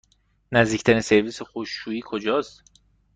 نزدیکترین سرویس خشکشویی کجاست؟